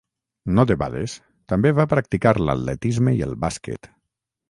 No debades, també va practicar l'atletisme i el bàsquet.